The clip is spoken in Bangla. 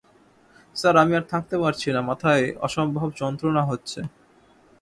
স্যার, আমি আর থাকতে পারছি না, মাথায় অসম্ভব যন্ত্রণা হচ্ছে।